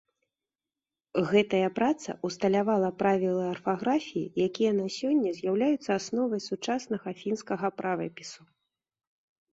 Гэтая праца ўсталявала правілы арфаграфіі, якія на сёння з'яўляюцца асновай сучаснага фінскага правапісу.